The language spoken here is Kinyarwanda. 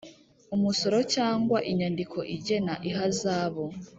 umusoro cyangwa inyandiko igena ihazabu